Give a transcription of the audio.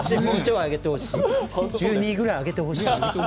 １２ぐらいあげてほしい。